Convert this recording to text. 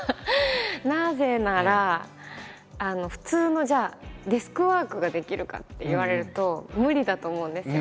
なぜなら普通のじゃあデスクワークができるかって言われると無理だと思うんですよ。